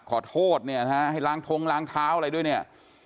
ขอโทษเนี่ยนะฮะให้ล้างท้องล้างเท้าอะไรด้วยเนี่ย